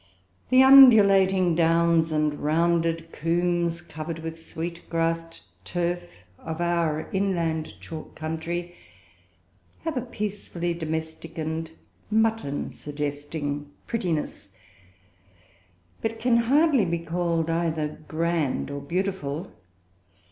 The undulating downs and rounded coombs, covered with sweet grassed turf, of our inland chalk country, have a peacefully domestic and mutton suggesting prettiness, but can hardly be called either grand or beautiful.